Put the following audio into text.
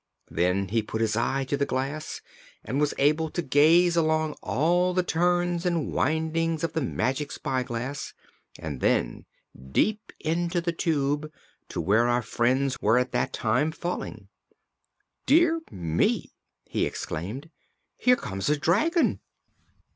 Then he put his eye to the glass and was able to gaze along all the turns and windings of the Magic Spyglass and then deep into the Tube, to where our friends were at that time falling. "Dear me!" he exclaimed. "Here comes a dragon."